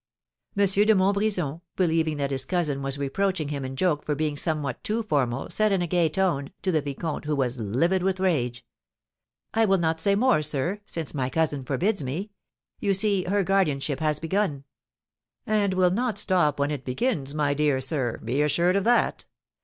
M. de Montbrison, believing that his cousin was reproaching him in joke for being somewhat too formal, said, in a gay tone, to the vicomte, who was livid with rage: "I will not say more, sir, since my cousin forbids me. You see her guardianship has begun." "And will not stop when it begins, my dear sir, be assured of that.